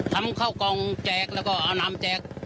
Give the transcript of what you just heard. ทำข้าวกล่องแจกแล้วก็เอาน้ำแจก